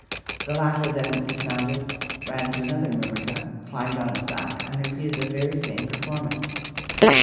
The latter then dismounted, ran to another Myrmica, climbed onto its back, and repeated the very same performance.